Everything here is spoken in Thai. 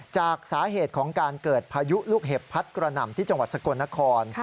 จากสาเหตุของการเกิดพายุลูกเห็บพัดกระหน่ำที่จังหวัดสกลนคร